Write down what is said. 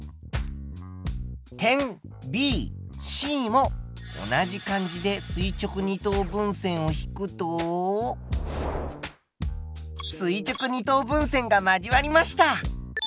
点ＢＣも同じ感じで垂直二等分線を引くと垂直二等分線が交わりました。